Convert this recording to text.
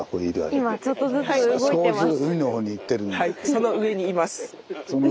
その上にいます。